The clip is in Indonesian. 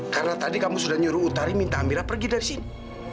karena tadi kamu sudah nyuruh utari minta amira pergi dari sini